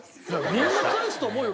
みんな返すと思うよ。